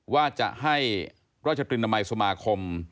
ว่าจะให้ราชตรินมัยสมาคม